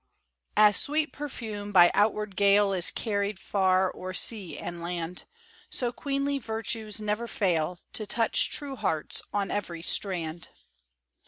As sweet perfume by outward gale Is carried far o'er sea and land, So queenly virtues never fail To touch true hearts on every strand.